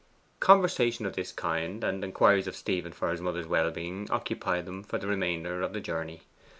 Conversation of this kind and inquiries of Stephen for his mother's wellbeing occupied them for the remainder of the journey.